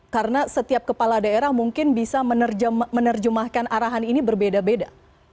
karena setiap kepala daerah mungkin bisa menerjemahkan arahan ini berbeda beda